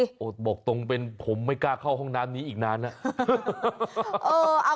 โอ้โหบอกตรงเป็นผมไม่กล้าเข้าห้องน้ำนี้อีกนานแล้ว